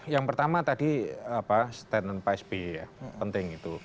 yang pertama tadi statement pak sby ya penting itu